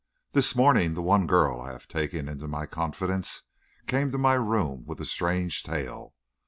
This morning the one girl I have taken into my confidence came to my room with a strange tale.